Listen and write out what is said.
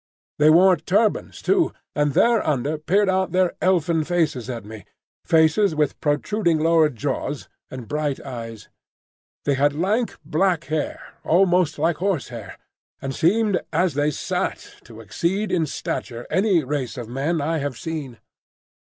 They wore turbans too, and thereunder peered out their elfin faces at me,—faces with protruding lower jaws and bright eyes. They had lank black hair, almost like horsehair, and seemed as they sat to exceed in stature any race of men I have seen.